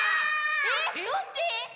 えっ⁉どっち？